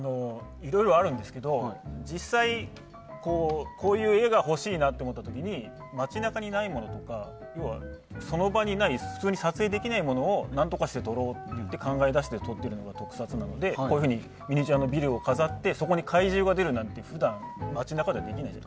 いろいろあるんですけど実際、こういう画が欲しいと思った時に街中にないものとかその場にない普通に撮影できないものを何とかして撮ろうって撮ってるのが特撮なのでミニチュアのビルを飾ってそこに怪獣が出るとか普通、街じゃできないので。